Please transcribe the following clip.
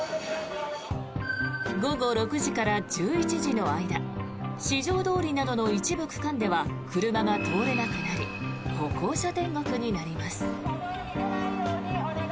午後６時から１１時の間四条通などの一部区間では車が通れなくなり歩行者天国になります。